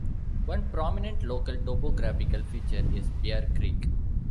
One prominent local topographical feature is Bear Creek.